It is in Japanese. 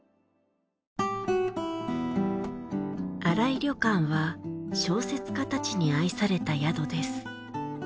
新井旅館は小説家たちに愛された宿です。